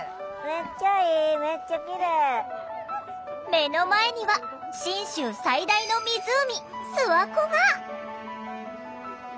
目の前には信州最大の湖諏訪湖が。